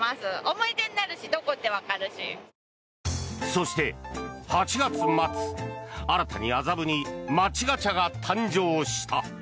そして、８月末、新たに麻布に街ガチャが誕生した。